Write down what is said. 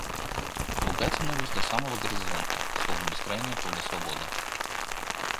Луга тянулись до самого горизонта, словно бескрайнее поле свободы.